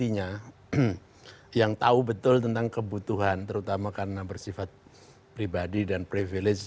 intinya yang tahu betul tentang kebutuhan terutama karena bersifat pribadi dan privilege